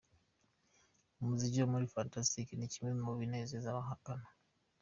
Umuziki wo muri Fantastic ni kimwe mu binezeza abahagana.